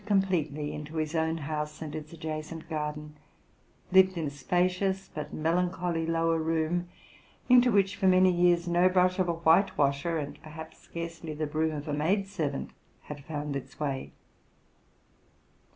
181 completely into his own house and its adjacent garden, lived in a spacious but melancholy lower room, into winch for many years no brush of a whitewasher, and perhaps searcely the broom of a maid servant, had found its way.